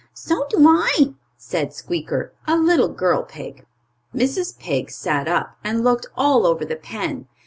"So do I," said Squeaker, a little girl pig. Mrs. Pig sat up, and looked all over the pen.